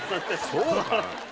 そうかな？